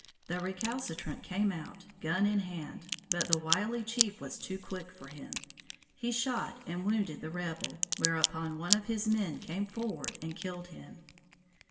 The recalcitrant came out, gun in hand, but the wily chief was too quick for him. He shot and wounded the rebel, whereupon one of his men came forward and killed him.